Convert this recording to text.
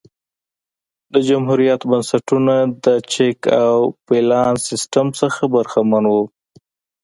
د جمهوریت بنسټونه د چک او بیلانس سیستم څخه برخمن وو